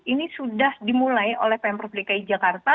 ini sudah dimulai oleh pemprov dki jakarta